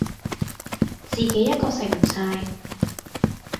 自己一個食唔晒